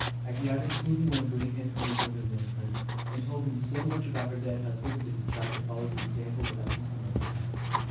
Agiatis soon won great influence over the young prince, and told him so much about her dead husband, that he tried to follow the example of Agis in everything.